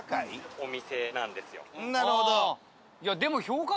なるほど。